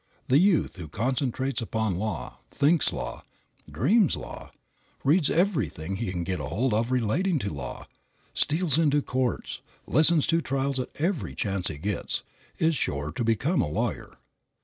The youth who concentrates upon law, thinks law, dreams law, reads everything he can get hold of relating to law, steals into courts, listens to trials at every chance he gets, is sure to become a lawyer.